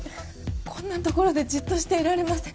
こんな所でじっとしていられません。